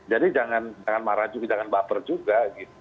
jadi jangan marah juga jangan baper juga